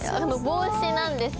帽子？